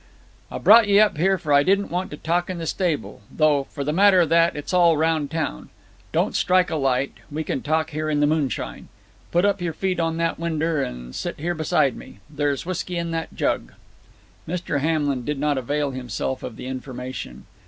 "I brought ye up here, for I didn't want to talk in the stable; though, for the matter of that, it's all round town. Don't strike a light. We can talk here in the moonshine. Put up your feet on that winder, and sit here beside me. Thar's whisky in that jug." Mr. Hamlin did not avail himself of the information.